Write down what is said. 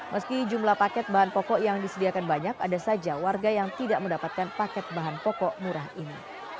meski jumlah paket bahan pokok yang disediakan banyak ada saja warga yang tidak mendapatkan paket bahan pokok murah ini